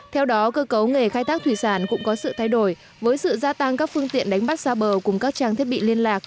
theo đó cơ cấu nghề khai thác thủy sản cũng có sự thay đổi với sự gia tăng các phương tiện đánh bắt xa bờ cùng các trang thiết bị liên lạc